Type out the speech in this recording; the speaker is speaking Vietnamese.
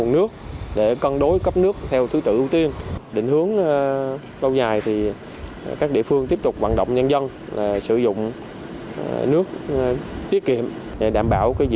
nước vào cuối vụ này